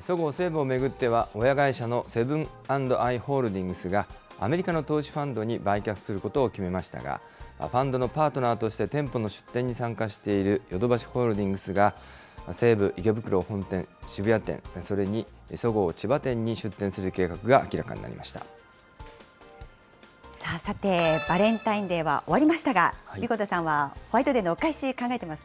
そごう・西武を巡っては、親会社のセブン＆アイ・ホールディングスがアメリカの投資ファンドに売却することを決めましたが、ファンドのパートナーとして店舗の出店に参加しているヨドバシホールディングスが、西武池袋本店、渋谷店、それにそごう千葉店に出さて、バレンタインは終わりましたが、神子田さんは、ホワイトデーのお返し、考えてますか。